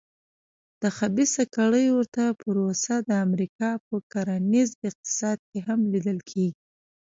د خبیثه کړۍ ورته پروسه د امریکا په کرنیز اقتصاد کې هم لیدل کېږي.